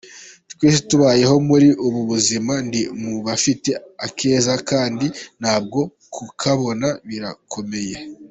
Twese tubayeho muri ubu buzima, ndi mu bafite akeza, kandi nabwo kukabona birakomeye.